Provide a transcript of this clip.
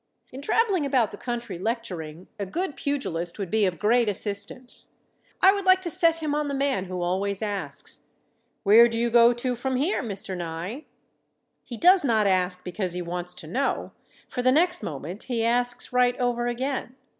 In traveling about the country lecturing, a good pugilist would be of great assistance. I would like to set him on the man who always asks: "Where do you go to from here, Mr. Nye?" He does not ask because he wants to know, for the next moment he asks right over again.